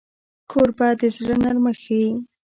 کوربه د زړه نرمښت ښيي.